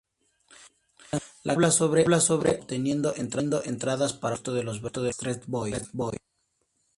La canción habla sobre Aaron obteniendo entradas para un concierto de los Backstreet Boys.